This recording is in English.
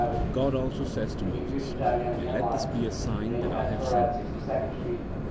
God also says to Moses :" And let this be a sign that I have sent thee."